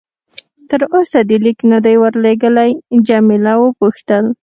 تر اوسه دې لیک نه دی ورلېږلی؟ جميله وپوښتل.